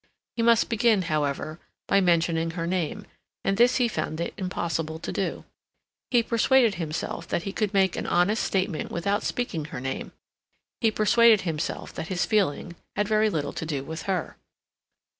He must begin, however, by mentioning her name, and this he found it impossible to do. He persuaded himself that he could make an honest statement without speaking her name; he persuaded himself that his feeling had very little to do with her.